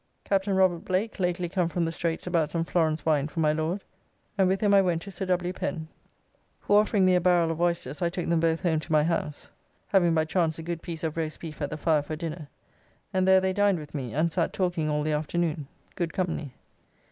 Captain Robert Blake lately come from the Straights about some Florence Wine for my Lord, and with him I went to Sir W. Pen, who offering me a barrel of oysters I took them both home to my house (having by chance a good piece of roast beef at the fire for dinner), and there they dined with me, and sat talking all the afternoon good company.